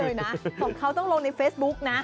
ของเขาต้องลงในเฟซบุ๊กนะ